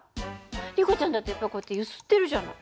リコちゃんだってやっぱこうやって揺すってるじゃない。